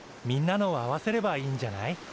みんなのを合わせればいいんじゃない？